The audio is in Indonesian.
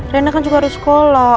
rena kan juga harus sekolah